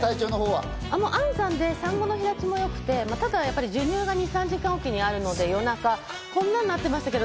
安産で産後の肥立ちも良くて、ただ授乳が２３時間おきにあるので、夜中こんなんになってましたけど。